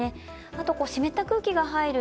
あと湿った空気が入る